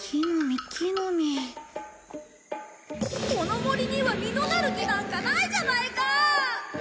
この森には実のなる木なんかないじゃないか！